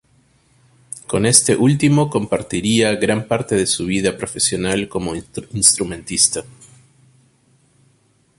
Con este último compartiría gran parte de su vida profesional como instrumentista.